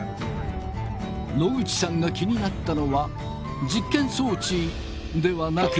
野口さんが気になったのは実験装置ではなく。